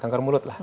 kanker mulut lah